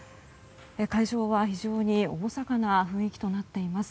会場は非常に厳かな雰囲気となっています。